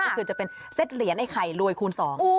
ก็คือจะเป็นเซ็ตเหรียญไอ้ไข่รวยคูณสอง